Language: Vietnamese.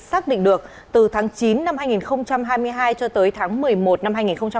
xác định được từ tháng chín năm hai nghìn hai mươi hai cho tới tháng một mươi một năm hai nghìn hai mươi ba